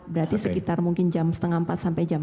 berarti sekitar mungkin jam setengah empat sampai jam tiga